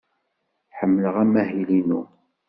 Ḥemmleɣ amahil-inu.